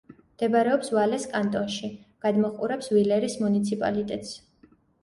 მდებარეობს ვალეს კანტონში; გადმოჰყურებს ვილერის მუნიციპალიტეტს.